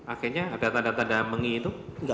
akhirnya ada tanda tanda mengi itu